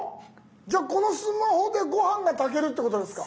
じゃあこのスマホでゴハンが炊けるってことですか？